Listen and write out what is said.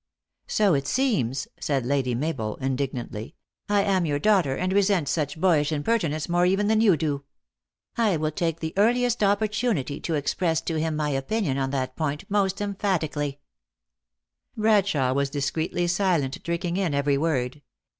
" So it seems," said Lady Mabel indignantly. "I am your daughter, and resent such boyish imperti nence more even than you do. I will take the earli est opportunity to express to him my opinion on that point most emphatically." THE ACTRESS IN HIGH LIFE. 339 Bradshawe was discreetly silent, drinking in every word.